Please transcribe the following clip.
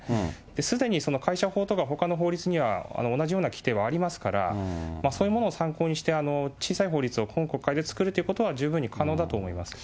すでにその会社法とかほかの法律には同じような規定はありますから、そういうものを参考にして、小さい法律を今国会で作るっていうことは、十分に可能だと思います。